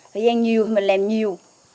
thời gian nhiều thì mình làm nhiều